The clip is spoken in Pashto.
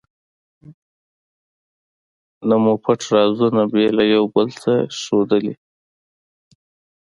نه مو پټ رازونه بې له یو بل څخه ښودلي.